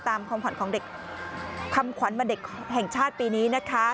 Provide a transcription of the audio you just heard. ความขวัญของเด็กคำขวัญวันเด็กแห่งชาติปีนี้นะคะ